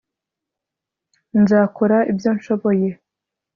nzakora ibyo nshoboye